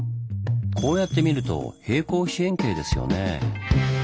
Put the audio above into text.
こうやって見ると平行四辺形ですよねぇ。